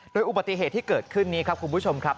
โดยอุบัติเหตุที่เกิดขึ้นนี้ครับคุณผู้ชมครับ